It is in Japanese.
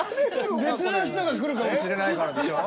別の人が来るかもしれないからでしょ？